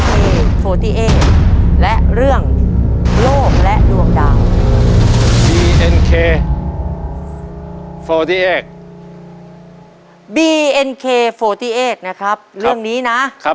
ขอให้โชคดีนะครับ